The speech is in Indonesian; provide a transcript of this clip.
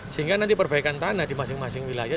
sehingga nanti perbaikan tanah di masing masing wilayah